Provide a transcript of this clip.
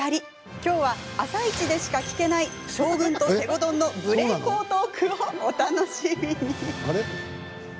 きょうは「あさイチ」でしか聞けない将軍と西郷どんの無礼講トークをお楽しみに。